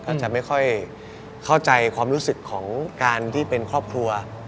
อาจจะไม่ค่อยเข้าใจความรู้สึกของการที่เป็นครอบครัว